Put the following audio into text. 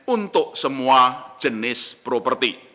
untuk semua jenis properti